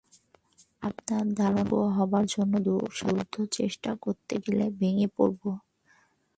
আপনার ধারণার যোগ্য হবার জন্যে দুঃসাধ্য চেষ্টা করতে গেলে ভেঙে পড়ব।